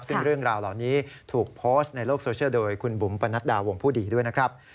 ซึ่งเรื่องราวเหล่านี้ถูกโพสต์ในโลกโซเชียลโดยคุณบุ๋มปนัดดาวงผู้ดีด้วยนะครับ